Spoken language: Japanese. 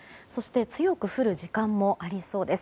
強く降る時間もありそうです。